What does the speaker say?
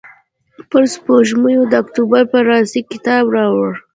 پر شپږمه د اکتوبر پارسي کتاب راوړ.